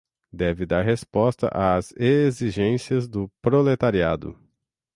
deve dar resposta às exigências do proletariado